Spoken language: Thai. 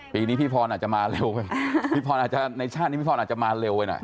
ปีนี้พี่พรอาจจะมาเร็วในชาตินี้พี่พรอาจจะมาเร็วหน่อย